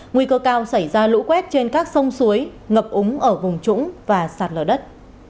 nguy cơ cao xảy ra lũ quét trên các sông suối ngập úng ở vùng trũng và sạt lở đất